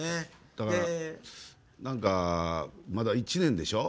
なんか、まだ１年でしょ。